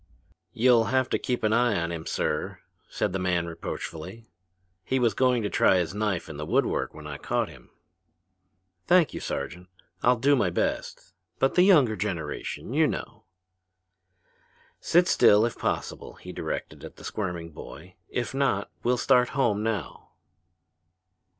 "You'll have to keep an eye on him, sir," said the man reproachfully. "He was going to try his knife on the wood work when I caught him." "Thank you, Sergeant. I'll do my best but the younger generation, you know." "Sit still, if possible!" he directed the squirming boy. "If not, we'll start home now."